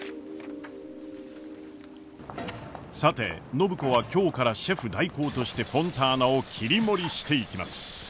さて暢子は今日からシェフ代行としてフォンターナを切り盛りしていきます。